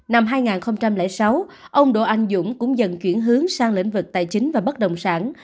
năm hai nghìn sáu ông đỗ anh dũng cũng dần chuyển hướng sang lĩnh vực tài chính và bất động sản